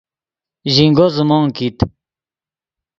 ژینگو زیموت کیت